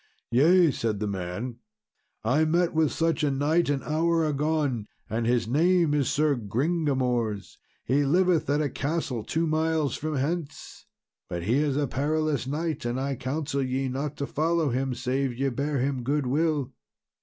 "Yea," said the man, "I met with such a knight an hour agone, and his name is Sir Gringamors. He liveth at a castle two miles from hence; but he is a perilous knight, and I counsel ye not to follow him save ye bear him goodwill."